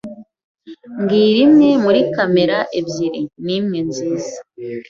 Mbwira imwe muri kamera ebyiri nimwe nziza.